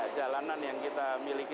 jalanan yang kita miliki